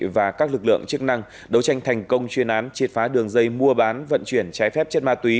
và các lực lượng chức năng đấu tranh thành công chuyên án triệt phá đường dây mua bán vận chuyển trái phép chất ma túy